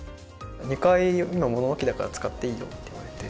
「２階今物置だから使っていいよ」って言われて。